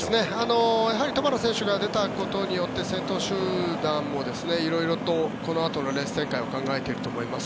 やはり、トマラ選手が出たことによって先頭集団も色々とこのあとのレース展開を考えていると思います。